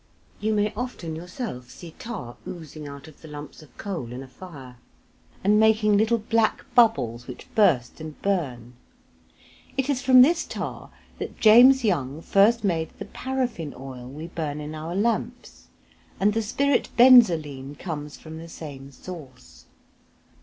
You may often yourself see tar oozing out of the lumps of coal in a fire, and making little black bubbles which burst and burn. It is from this tar that James Young first made the paraffin oil we burn in our lamps, and the spirit benzoline comes from the same source.